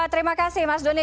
terima kasih mas doni